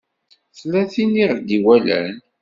Tella tin i ɣ-d-iwalan.